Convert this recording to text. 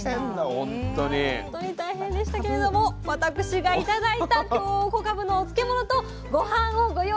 本当に大変でしたけれども私が頂いた京こかぶのお漬物とごはんをご用意いたしました。